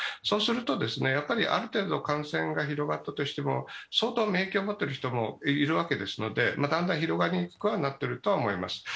そうすると、ある程度の感染が広がったとしても、相当、免疫を持っている人もいるわけで、だんだん広がりにくくなってるとは思います。